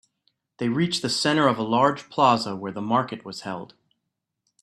They reached the center of a large plaza where the market was held.